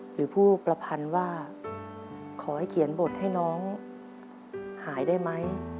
หรือผู้ประพันธ์ว่าขอให้เขียนบทให้น้องหายได้ไหม